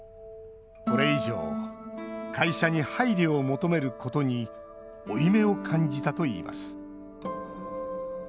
これ以上会社に配慮を求めることに負い目を感じたといいます。